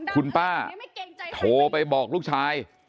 คุณป้าโทรไปบอกลูกชาย